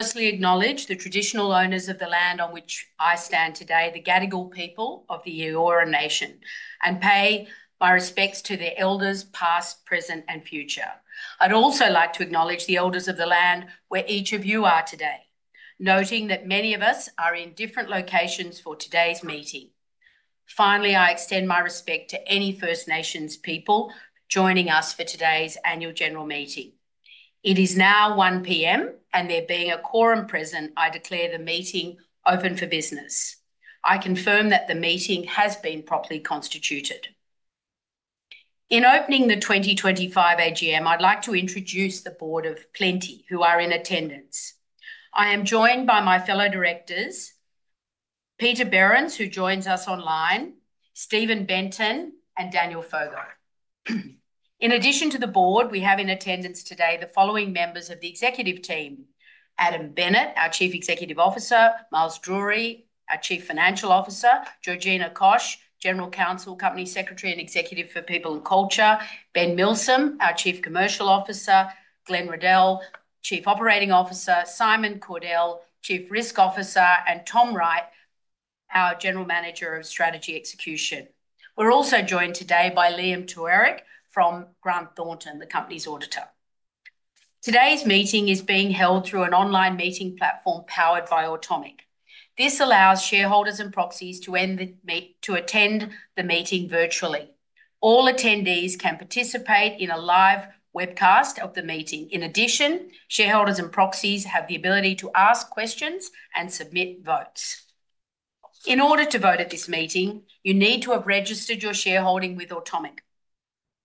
Firstly, I acknowledge the traditional owners of the land on which I stand today, the Gadigal people of the Eora Nation, and pay my respects to their elders, past, present, and future. I'd also like to acknowledge the elders of the land where each of you are today, noting that many of us are in different locations for today's meeting. Finally, I extend my respect to any First Nations people joining us for today's annual general meeting. It is now 1:00 P.M., and there being a quorum present, I declare the meeting open for business. I confirm that the meeting has been properly constituted. In opening the 2025 AGM, I'd like to introduce the Board of Plenti, who are in attendance. I am joined by my fellow directors, Peter Behrens, who joins us online, Stephen Benton, and Daniel Foggo. In addition to the Board, we have in attendance today the following members of the executive team – Adam Bennett, our Chief Executive Officer – Miles Drury, our Chief Financial Officer – Georgina Koch, General Counsel, Company Secretary, and Executive for People and Culture – Ben Milsom, our Chief Commercial Officer – Glenn Riddell, Chief Operating Officer – Simon Cordell, Chief Risk Officer – and Tom Wright, our General Manager of Strategy Execution. We're also joined today by Liam Te-Wierik from Grant Thornton, the company's auditor. Today's meeting is being held through an online meeting platform powered by Automic. This allows shareholders and proxies to attend the meeting virtually. All attendees can participate in a live webcast of the meeting. In addition, shareholders and proxies have the ability to ask questions and submit votes. In order to vote at this meeting, you need to have registered your shareholding with Automic.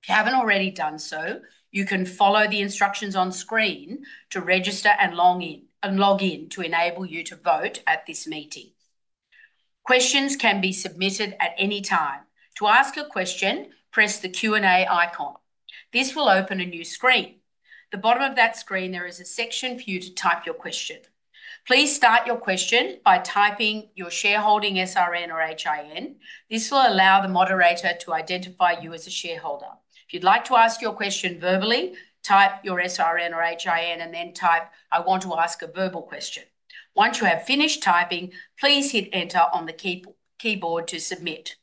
If you haven't already done so, you can follow the instructions on screen to register and log in to enable you to vote at this meeting. Questions can be submitted at any time. To ask a question, press the Q&A icon. This will open a new screen. At the bottom of that screen, there is a section for you to type your question. Please start your question by typing your shareholding SRN or HIN. This will allow the moderator to identify you as a shareholder. If you'd like to ask your question verbally, type your SRN or HIN and then type, "I want to ask a verbal question." Once you have finished typing, please hit Enter on the keyboard to submit.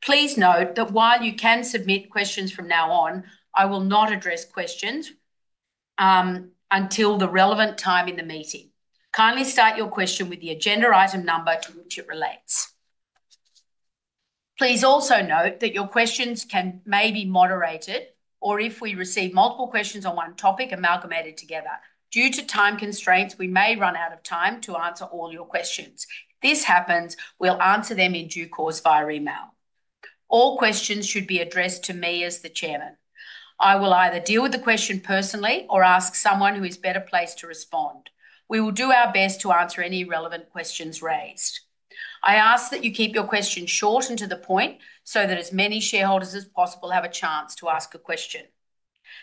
Please note that while you can submit questions from now on, I will not address questions until the relevant time in the meeting. Kindly start your question with the agenda item number to which it relates. Please also note that your questions may be moderated, or if we receive multiple questions on one topic, amalgamated together. Due to time constraints, we may run out of time to answer all your questions. If this happens, we'll answer them in due course via email. All questions should be addressed to me as the Chairman. I will either deal with the question personally or ask someone who is better placed to respond. We will do our best to answer any relevant questions raised. I ask that you keep your question short and to the point so that as many shareholders as possible have a chance to ask a question.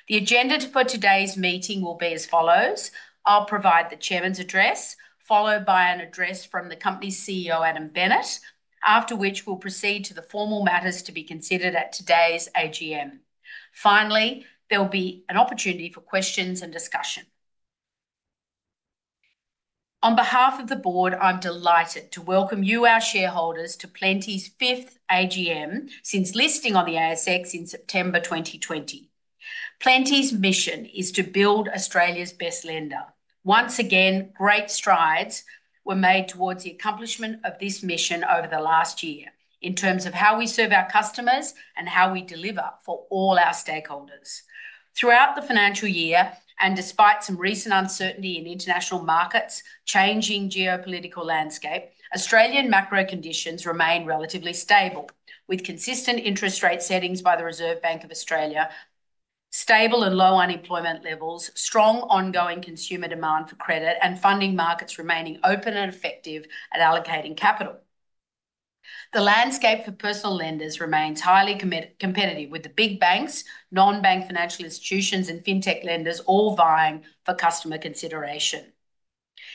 The agenda for today's meeting will be as follows: I'll provide the Chairman's address, followed by an address from the company's CEO, Adam Bennett, after which we'll proceed to the formal matters to be considered at today's AGM. Finally, there'll be an opportunity for questions and discussion. On behalf of the Board, I'm delighted to welcome you, our shareholders, to Plenti's fifth AGM since listing on the ASX in September 2020. Plenti's mission is to build Australia's best lender. Once again, great strides were made towards the accomplishment of this mission over the last year in terms of how we serve our customers and how we deliver for all our stakeholders. Throughout the financial year, and despite some recent uncertainty in international markets, changing geopolitical landscape, Australian macro conditions remain relatively stable, with consistent interest rate settings by the Reserve Bank of Australia, stable and low unemployment levels, strong ongoing consumer demand for credit, and funding markets remaining open and effective at allocating capital. The landscape for personal lenders remains highly competitive, with the big banks, non-bank financial institutions, and fintech lenders all vying for customer consideration.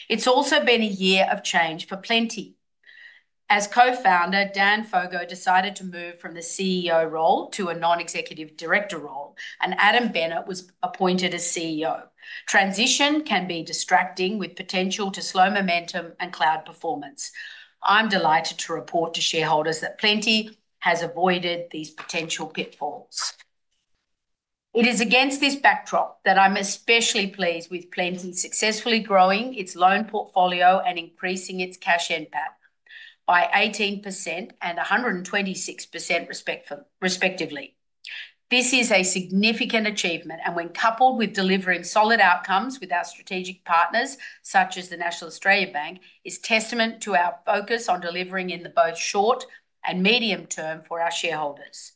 It's also been a year of change for Plenti. As co-founder, Daniel Foggo decided to move from the CEO role to a non-executive director role, and Adam Bennett was appointed as CEO. Transition can be distracting with potential to slow momentum and cloud performance. I'm delighted to report to shareholders that Plenti has avoided these potential pitfalls. It is against this backdrop that I'm especially pleased with Plenti successfully growing its loan portfolio and increasing its cash impact by 18% and 126% respectively. This is a significant achievement, and when coupled with delivering solid outcomes with our strategic partners, such as the National Australia Bank, is a testament to our focus on delivering in both the short and medium term for our shareholders.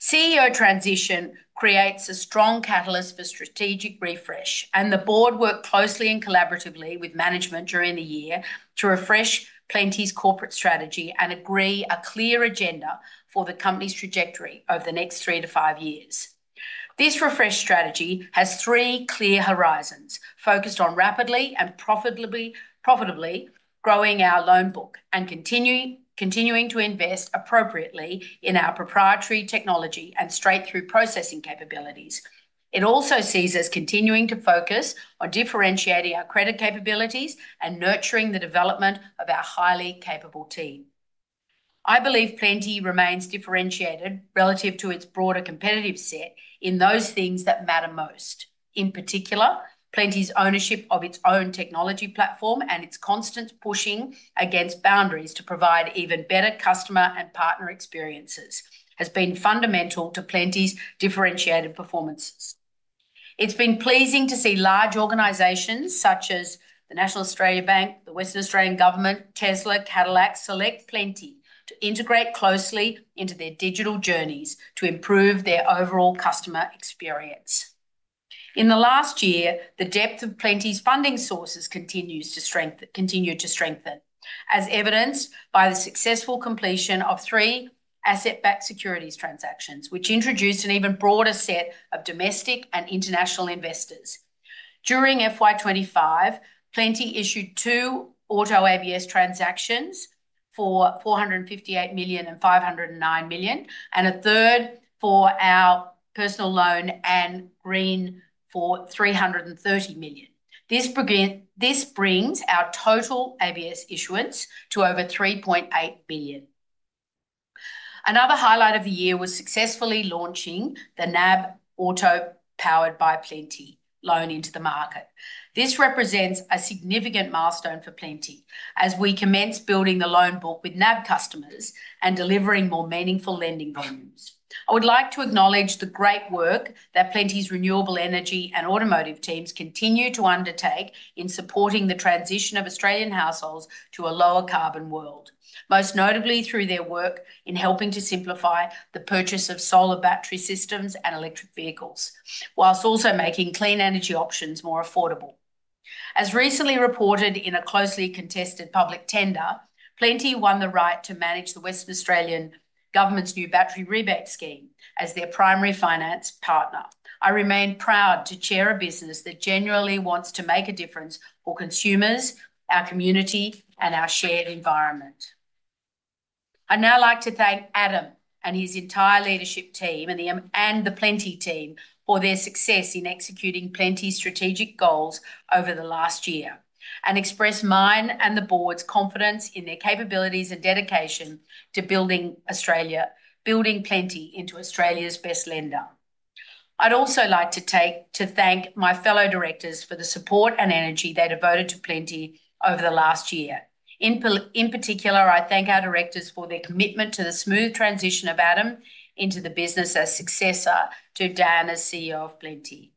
CEO transition creates a strong catalyst for strategic refresh, and the Board worked closely and collaboratively with management during the year to refresh Plenti's corporate strategy and agree on a clear agenda for the company's trajectory over the next three to five years. This refresh strategy has three clear horizons, focused on rapidly and profitably growing our loan book and continuing to invest appropriately in our proprietary technology and straight-through processing capabilities. It also sees us continuing to focus on differentiating our credit capabilities and nurturing the development of our highly capable team. I believe Plenti remains differentiated relative to its broader competitive set in those things that matter most. In particular, Plenti's ownership of its own technology platform and its constant pushing against boundaries to provide even better customer and partner experiences has been fundamental to Plenti's differentiated performance. It's been pleasing to see large organizations such as the National Australia Bank, the Western Australian Government, Tesla, Cadillac, Select, Plenti integrate closely into their digital journeys to improve their overall customer experience. In the last year, the depth of Plenti's funding sources continues to strengthen, as evidenced by the successful completion of three asset-backed securities transactions, which introduced an even broader set of domestic and international investors. During FY2025, Plenti issued two auto ABS transactions for $458,509,000 and a third for our personal loan and renewable energy for $330,000. This brings our total ABS issuance to over $3.8 million. Another highlight of the year was successfully launching the NAB powered by Plenti car loan into the market. This represents a significant milestone for Plenti as we commence building the loan book with NAB customers and delivering more meaningful lending volumes. I would like to acknowledge the great work that Plenti's renewable energy and automotive teams continue to undertake in supporting the transition of Australian households to a lower carbon world, most notably through their work in helping to simplify the purchase of solar battery systems and electric vehicles, whilst also making clean energy options more affordable. As recently reported in a closely contested public tender, Plenti won the right to manage the Western Australian Government's new battery rebate scheme as their primary finance partner. I remain proud to chair a business that genuinely wants to make a difference for consumers, our community, and our shared environment. I'd now like to thank Adam and his entire leadership team and the Plenti team for their success in executing Plenti's strategic goals over the last year and express mine and the Board's confidence in their capabilities and dedication to building Plenti into Australia's best lender. I'd also like to thank my fellow directors for the support and energy they devoted to Plenti over the last year. In particular, I thank our directors for their commitment to the smooth transition of Adam into the business as successor to Dan as CEO of Plenti.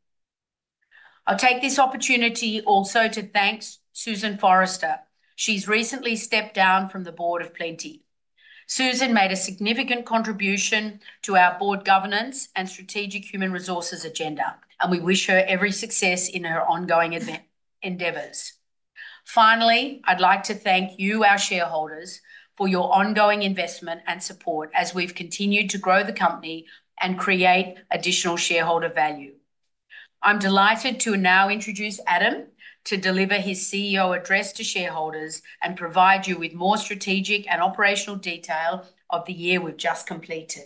I'll take this opportunity also to thank Susan Forrester. She's recently stepped down from the Board of Plenti. Susan made a significant contribution to our Board governance and strategic human resources agenda, and we wish her every success in her ongoing endeavors. Finally, I'd like to thank you, our shareholders, for your ongoing investment and support as we've continued to grow the company and create additional shareholder value. I'm delighted to now introduce Adam to deliver his CEO address to shareholders and provide you with more strategic and operational detail of the year we've just completed.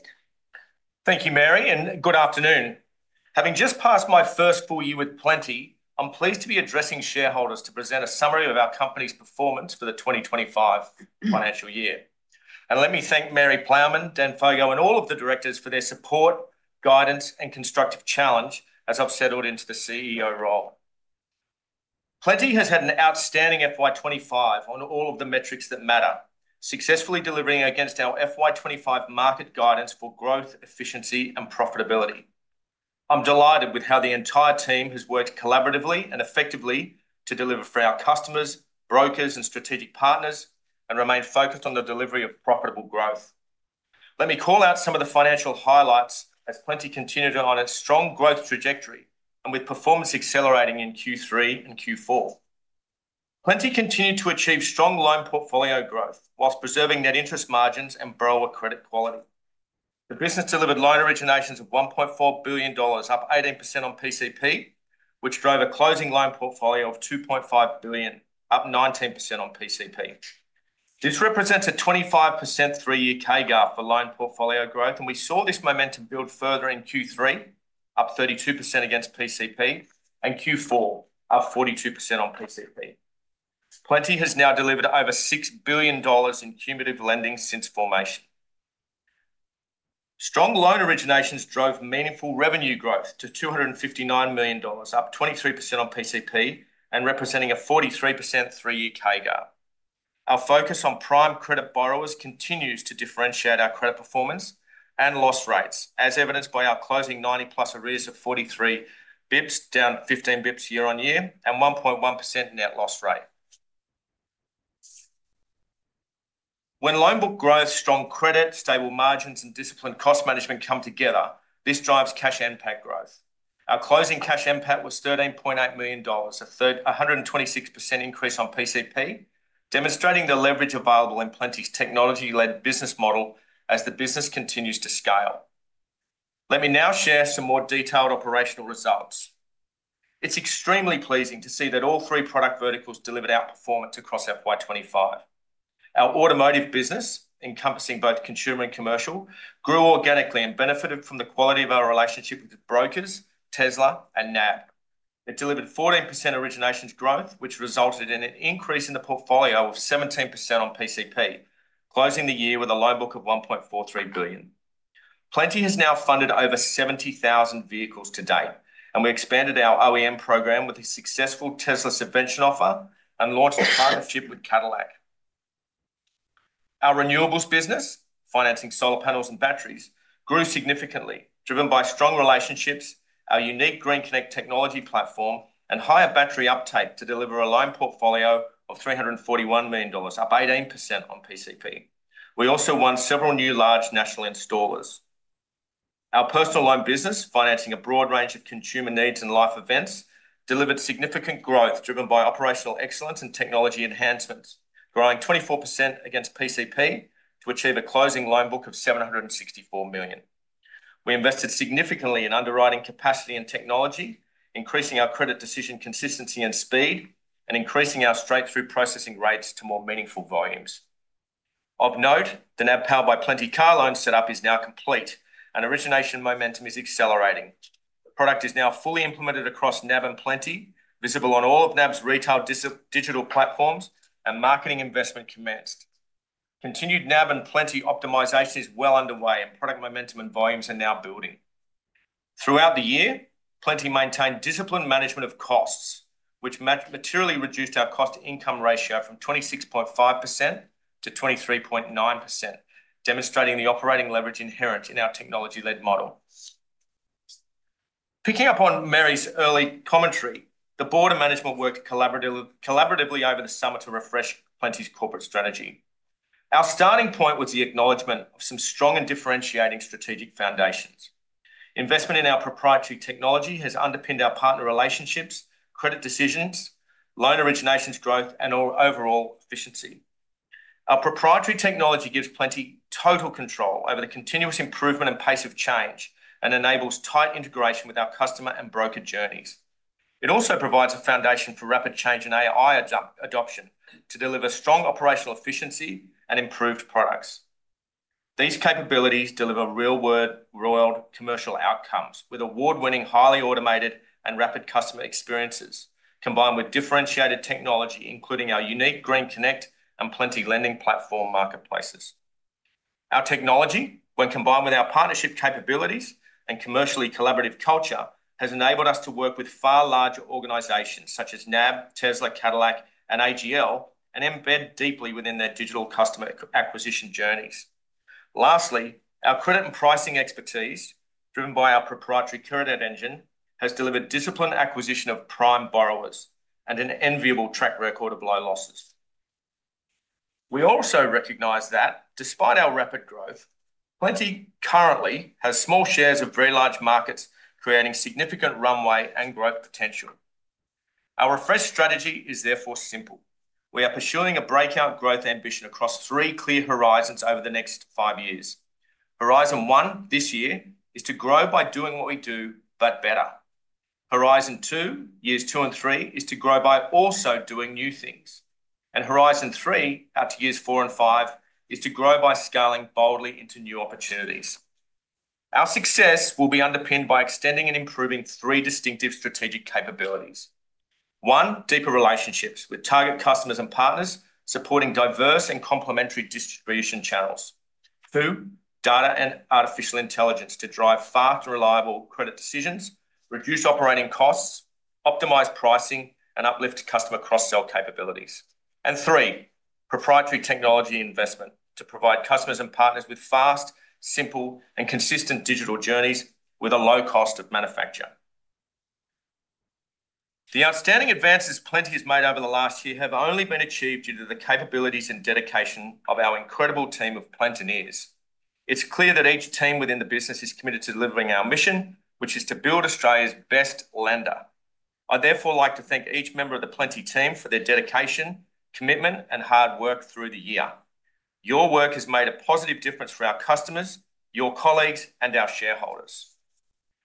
Thank you, Mary, and good afternoon. Having just passed my first full year with Plenti, I'm pleased to be addressing shareholders to present a summary of our company's performance for the 2025 financial year. Let me thank Mary Ploughman, Dan Foggo, and all of the directors for their support, guidance, and constructive challenge as I've settled into the CEO role. Plenti has had an outstanding FY2025 on all of the metrics that matter, successfully delivering against our FY2025 market guidance for growth, efficiency, and profitability. I'm delighted with how the entire team has worked collaboratively and effectively to deliver for our customers, brokers, and strategic partners and remained focused on the delivery of profitable growth. Let me call out some of the financial highlights as Plenti continued on its strong growth trajectory, with performance accelerating in Q3 and Q4. Plenti continued to achieve strong loan portfolio growth whilst preserving net interest margins and broader credit quality. The business delivered loan originations of $1.4 billion, up 18% on PCP, which drove a closing loan portfolio of $2.5 billion, up 19% on PCP. This represents a 25% three-year CAGR for loan portfolio growth, and we saw this momentum build further in Q3, up 32% against PCP, and Q4, up 42% on PCP. Plenti has now delivered over $6 billion in cumulative lending since formation. Strong loan originations drove meaningful revenue growth to $259 million, up 23% on PCP and representing a 43% three-year CAGR. Our focus on prime credit borrowers continues to differentiate our credit performance and loss rates, as evidenced by our closing 90+ arrears of 43 bps, down 15 bps year on year, and 1.1% net loss rate. When loan book growth, strong credit, stable margins, and disciplined cost management come together, this drives cash impact growth. Our closing cash impact was $13.8 million, a 126% increase on PCP, demonstrating the leverage available in Plenti's technology-led business model as the business continues to scale. Let me now share some more detailed operational results. It's extremely pleasing to see that all three product verticals delivered outperformance across FY2025. Our automotive business, encompassing both consumer and commercial, grew organically and benefited from the quality of our relationship with brokers, Tesla, and NAB. It delivered 14% originations growth, which resulted in an increase in the portfolio of 17% on PCP, closing the year with a loan book of $1.43 billion. Plenti has now funded over 70,000 vehicles to date, and we expanded our OEM program with a successful Tesla subvention offer and loyal partnership with Cadillac. Our renewables business, financing solar panels and batteries, grew significantly, driven by strong relationships, our unique GreenConnect technology platform, and higher battery uptake to deliver a loan portfolio of $341 million, up 18% on PCP. We also won several new large national installers. Our personal loan business, financing a broad range of consumer needs and life events, delivered significant growth driven by operational excellence and technology enhancements, growing 24% against PCP to achieve a closing loan book of $764 million. We invested significantly in underwriting capacity and technology, increasing our credit decision consistency and speed, and increasing our straight-through processing rates to more meaningful volumes. Of note, the NAB powered by Plenti car loan setup is now complete, and origination momentum is accelerating. Product is now fully implemented across NAB and Plenti, visible on all of NAB's retail digital platforms, and marketing investment commenced. Continued NAB and Plenti optimisation is well underway, and product momentum and volumes are now building. Throughout the year, Plenti maintained disciplined management of costs, which materially reduced our cost-to-income ratio from 26.5%-23.9%, demonstrating the operating leverage inherent in our technology-led model. Picking up on Mary's early commentary, the Board and management worked collaboratively over the summer to refresh Plenti's corporate strategy. Our starting point was the acknowledgement of some strong and differentiating strategic foundations. Investment in our proprietary technology has underpinned our partner relationships, credit decisions, loan originations growth, and overall efficiency. Our proprietary technology gives Plenti total control over the continuous improvement and pace of change and enables tight integration with our customer and broker journeys. It also provides a foundation for rapid change in AI adoption to deliver strong operational efficiency and improved products. These capabilities deliver real-world commercial outcomes with award-winning, highly automated, and rapid customer experiences, combined with differentiated technology, including our unique GreenConnect and Plenti lending platform marketplaces. Our technology, when combined with our partnership capabilities and commercially collaborative culture, has enabled us to work with far larger organizations such as NAB, Tesla, Cadillac, and AGL and embed deeply within their digital customer acquisition journeys. Lastly, our credit and pricing expertise, driven by our proprietary CreditEd engine, has delivered disciplined acquisition of prime borrowers and an enviable track record of low losses. We also recognize that, despite our rapid growth, Plenti currently has small shares of very large markets, creating significant runway and growth potential. Our refresh strategy is therefore simple. We are pursuing a breakout growth ambition across three clear horizons over the next five years. Horizon one this year is to grow by doing what we do, but better. Horizon two, years two and three, is to grow by also doing new things. Horizon three, up to years four and five, is to grow by scaling boldly into new opportunities. Our success will be underpinned by extending and improving three distinctive strategic capabilities. One, deeper relationships with target customers and partners, supporting diverse and complementary distribution channels. Two, data and artificial intelligence to drive fast, reliable credit decisions, reduce operating costs, optimize pricing, and uplift customer cross-sell capabilities. Three, proprietary technology investment to provide customers and partners with fast, simple, and consistent digital journeys with a low cost of manufacture. The outstanding advances Plenti has made over the last year have only been achieved due to the capabilities and dedication of our incredible team of Plenti-neers. It is clear that each team within the business is committed to delivering our mission, which is to build Australia's best lender. I would therefore like to thank each member of the Plenti team for their dedication, commitment, and hard work through the year. Your work has made a positive difference for our customers, your colleagues, and our shareholders.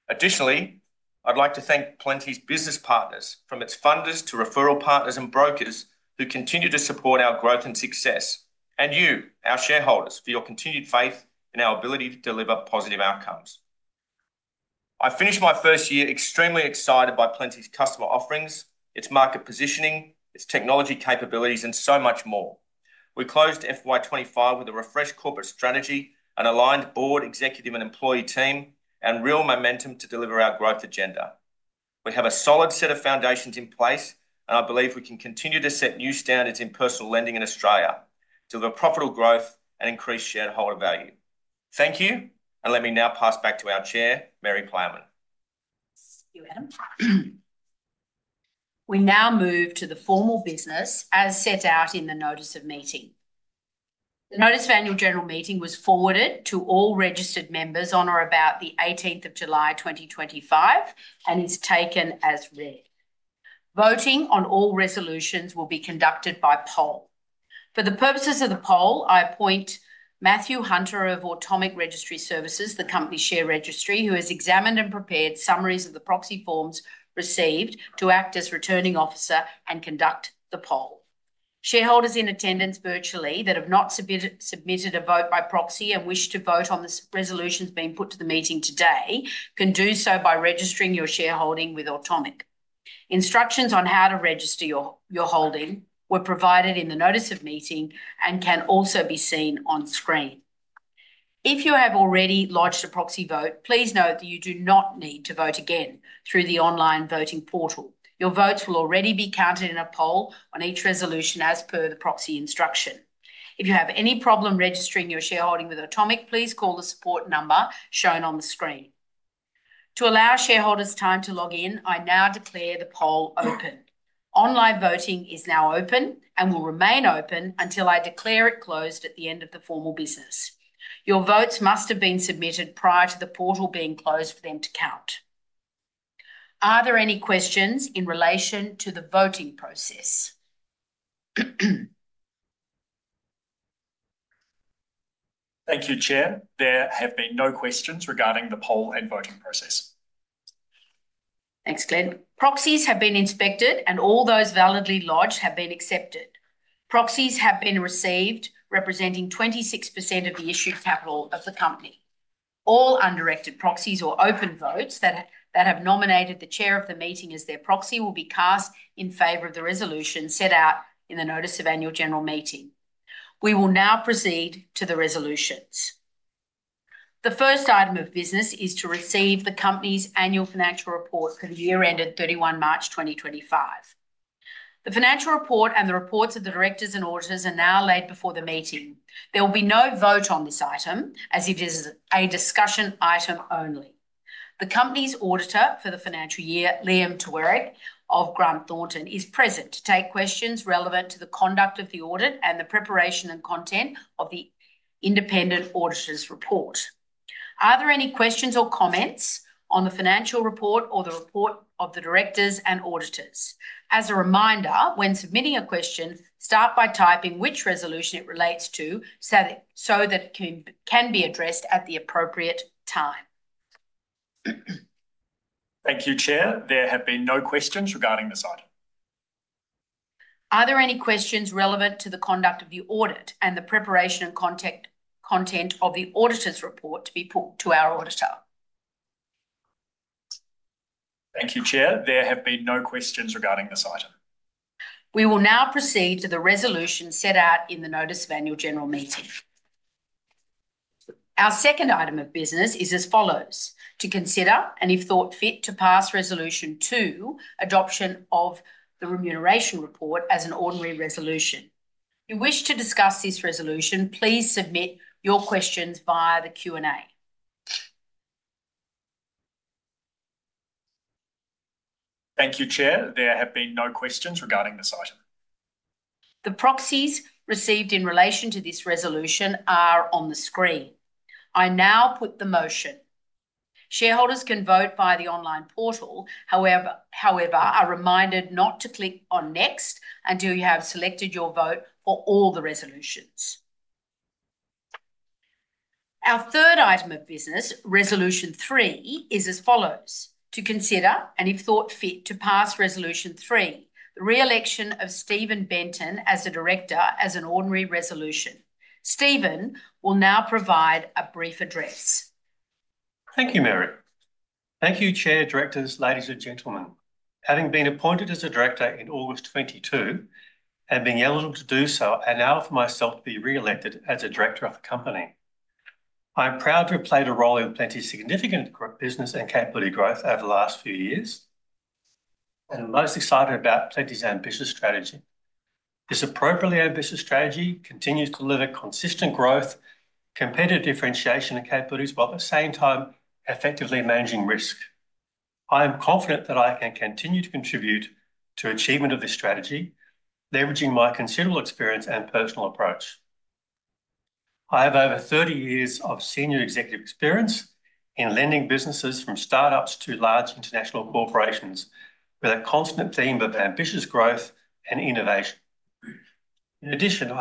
Additionally, I would like to thank Plenti's business partners, from its funders to referral partners and brokers, who continue to support our growth and success. Thank you, our shareholders, for your continued faith in our ability to deliver positive outcomes. I finished my first year extremely excited by Plenti's customer offerings, its market positioning, its technology capabilities, and so much more. We closed FY2025 with a refreshed corporate strategy, an aligned Board, executive, and employee team, and real momentum to deliver our growth agenda. We have a solid set of foundations in place, and I believe we can continue to set new standards in personal lending in Australia, deliver profitable growth, and increase shareholder value. Thank you, and let me now pass back to our Chair, Mary Ploughman. Thank you, Adam. We now move to the formal business, as set out in the notice of meeting. The notice of annual general meeting was forwarded to all registered members on or about the 18th of July, 2025, and is taken as read. Voting on all resolutions will be conducted by poll. For the purposes of the poll, I appoint Mathew Hunter of Automic Registry Services, the company's share registry, who has examined and prepared summaries of the proxy forms received to act as returning officer and conduct the poll. Shareholders in attendance virtually that have not submitted a vote by proxy and wish to vote on the resolutions being put to the meeting today can do so by registering your shareholding with Automic. Instructions on how to register your holding were provided in the notice of meeting and can also be seen on screen. If you have already lodged a proxy vote, please note that you do not need to vote again through the online voting portal. Your votes will already be counted in a poll on each resolution as per the proxy instruction. If you have any problem registering your shareholding with Automic, please call the support number shown on the screen. To allow shareholders time to log in, I now declare the poll open. Online voting is now open and will remain open until I declare it closed at the end of the formal business. Your votes must have been submitted prior to the portal being closed for them to count. Are there any questions in relation to the voting process? Thank you, Chair. There have been no questions regarding the poll and voting process. Thanks, Glenn. Proxies have been inspected, and all those validly lodged have been accepted. Proxies have been received, representing 26% of the issued capital of the company. All undirected proxies or open votes that have nominated the Chair of the meeting as their proxy will be cast in favor of the resolution set out in the notice of annual general meeting. We will now proceed to the resolutions. The first item of business is to receive the company's annual financial report for the year ended March 31, 2025. The financial report and the reports of the directors and auditors are now laid before the meeting. There will be no vote on this item, as it is a discussion item only. The company's auditor for the financial year, Liam Te-Wierik of Grant Thornton, is present to take questions relevant to the conduct of the audit and the preparation and content of the independent auditor's report. Are there any questions or comments on the financial report or the report of the directors and auditors? As a reminder, when submitting a question, start by typing which resolution it relates to so that it can be addressed at the appropriate time. Thank you, Chair. There have been no questions regarding this item. Are there any questions relevant to the conduct of the audit and the preparation and content of the auditor's report to be put to our auditor? Thank you, Chair. There have been no questions regarding this item. We will now proceed to the resolution set out in the notice of Annual General Meeting. I now put the motion. Shareholders can vote by the online portal, however, are reminded not to click on next until you have selected your vote for all resolutions. Our fifth item of business, resolution five, is as follows: to consider and, if thought fit, to pass resolution five, to increase the maximum aggregate annual remuneration of non-executive directors as an ordinary resolution. Let's go.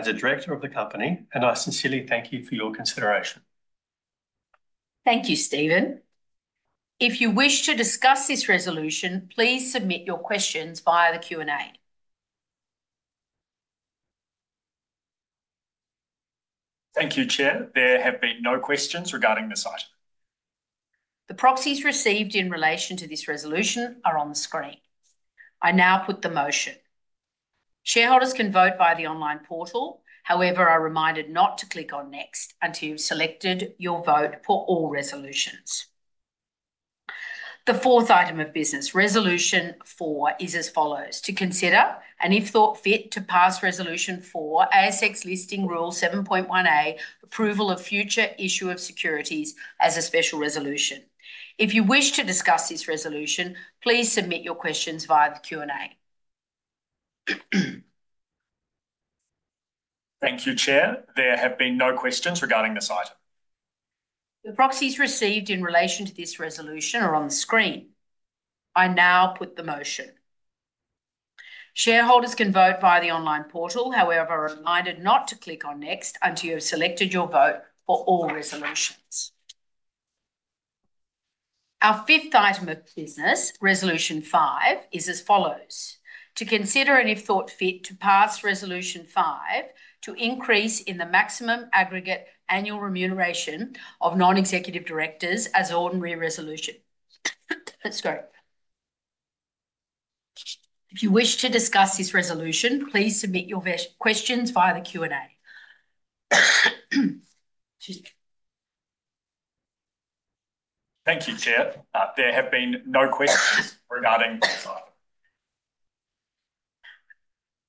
If you wish to discuss this resolution, please submit your questions via the Q&A. Thank you, Chair. There have been no questions regarding this item. The proxies received in relation to this resolution are on the screen. I now put the motion. Shareholders can vote via the online portal, however,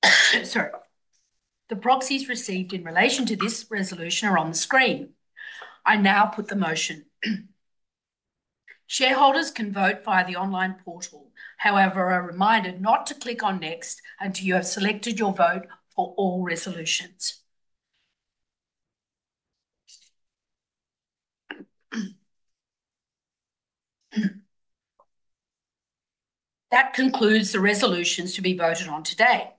are reminded not to click on next until you have selected your vote for all resolutions. That concludes the resolutions to be voted on today.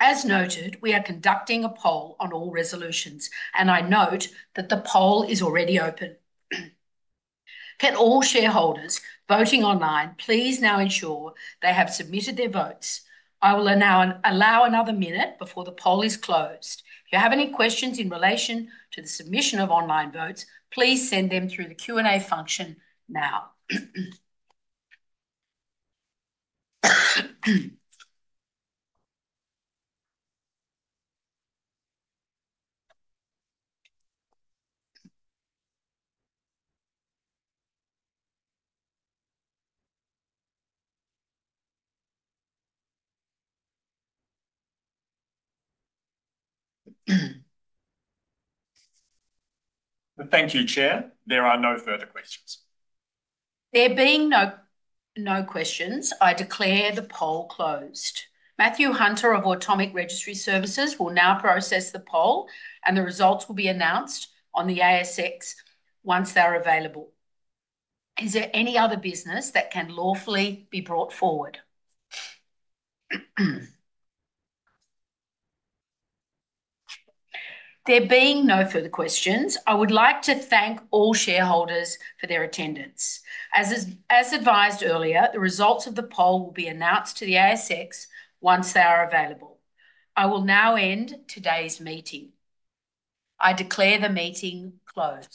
As noted, we are conducting a poll on all resolutions, and I note that the poll is already open. Can all shareholders voting online please now ensure they have submitted their votes? I will now allow another minute before the poll is closed. If you have any questions in relation to the submission of online votes, please send them through the Q&A function now. Thank you, Chair. There are no further questions. There being no questions, I declare the poll closed. Mathew Hunter of Automic Registry Services will now process the poll, and the results will be announced on the ASX once they're available. Is there any other business that can lawfully be brought forward? There being no further questions, I would like to thank all shareholders for their attendance. As advised earlier, the results of the poll will be announced to the ASX once they are available. I will now end today's meeting. I declare the meeting closed.